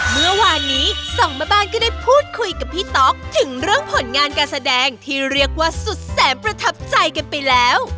เมื่อวานนี้สองแม่บ้านก็ได้พูดคุยกับพี่ต๊อกถึงเรื่องผลงานการแสดงที่เรียกว่าสุดแสนประทับใจกันไปแล้ว